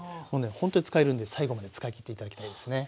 ほんとに使えるんで最後まで使いきって頂きたいですね。